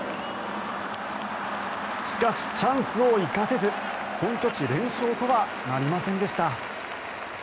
しかし、チャンスを生かせず本拠地連勝とはなりませんでした。